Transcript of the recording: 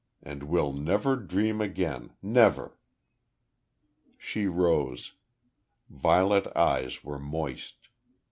And we'll never dream again never." She rose. Violet eyes were moist.